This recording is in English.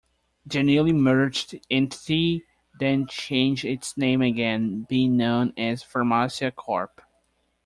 The newly merged entity then changed its name again, being known as Pharmacia Corp.